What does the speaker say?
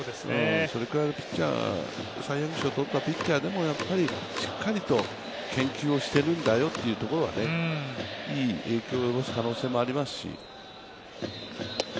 それくらいの、サイ・ヤング賞取ったピッチャーでも、やっぱり、しっかりと研究をしてるんだよというところはいい影響を及ぼす可能性もありますし。